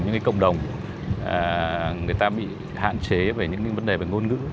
những cái cộng đồng người ta bị hạn chế về những vấn đề về ngôn ngữ